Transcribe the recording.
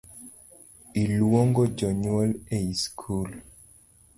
Iluongo jonyuol ie skul .